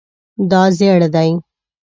دا زیړ دی